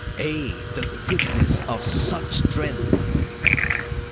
Ay! the goodness of such strength!